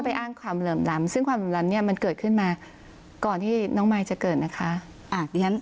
อ้างความเหลื่อมล้ำซึ่งความเหลื่อมล้ำเนี่ยมันเกิดขึ้นมาก่อนที่น้องมายจะเกิดนะคะ